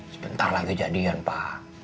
sebentar lagi jadian pak